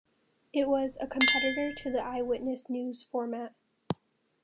It was a competitor to the "Eyewitness News" format.